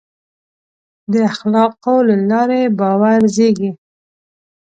د اخلاقو له لارې باور زېږي.